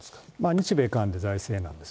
日米韓で財政難ですよ。